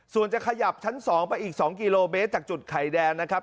ส่วนจะขยับชั้น๒ไปอีก๒กิโลเมตรจากจุดไข่แดงนะครับ